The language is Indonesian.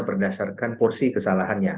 berdasarkan porsi kesalahannya